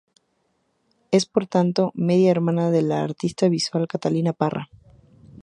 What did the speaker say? Es, por lo tanto, media hermana de la artista visual Catalina Parra.